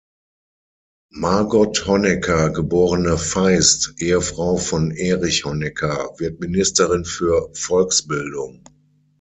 Margot Honecker geborene Feist, Ehefrau von Erich Honecker, wird Ministerin für Volksbildung.